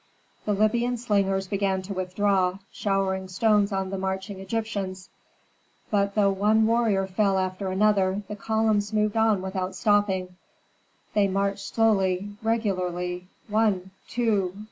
The Libyan slingers began to withdraw, showering stones on the marching Egyptians. But though one warrior fell after another, the columns moved on without stopping; they marched slowly, regularly, one two!